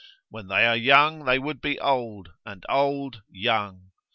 When they are young, they would be old, and old, young.